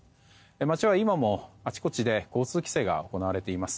街は今もあちこちで交通規制が行われています。